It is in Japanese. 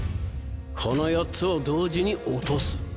この４つを同時に落とす。